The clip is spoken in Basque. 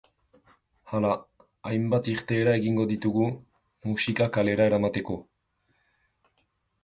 Hala, hainbat irteera egingo ditugu, musika kalera eramateko.